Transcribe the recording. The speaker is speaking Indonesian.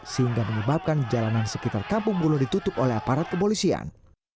sehingga menyebabkan jalanan sekitar kampung bulu ditutup oleh aparat kepolisian